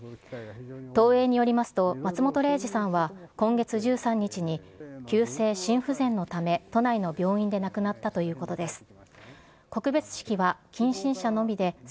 東映によりますと、松本零士さんは、今月１３日に、急性心不全のため、都内の病院で亡くなったということです。